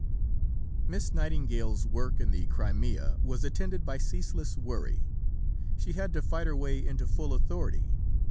II Miss Nightingale's work in the Crimea was attended by ceaseless worry. She had to fight her way into full authority.